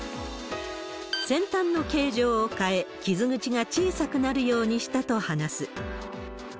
先端の形状を変え、傷口が小さくなるようにしたと話す。